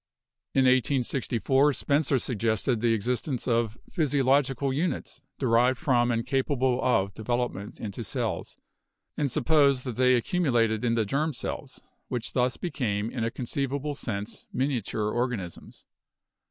In 1864 Spencer suggested the existence of 'physiologi cal units' derived from and capable of development into cells, and supposed that they accumulated in the germ cells, which thus became in a conceivable sense miniature organisms.